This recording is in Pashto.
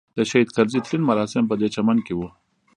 د شهید کرزي تلین مراسم په دې چمن کې وو.